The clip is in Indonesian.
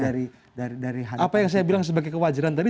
apa yang saya bilang sebagai kewajaran tadi